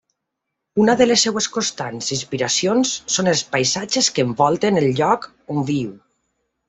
Una de les seves constants inspiracions són els paisatges que envolten el lloc on viu.